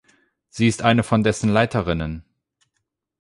Sie ist eine von dessen Leiterinnen.